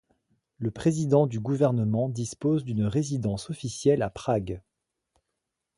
Le président du gouvernement dispose d'une résidence officielle à Prague.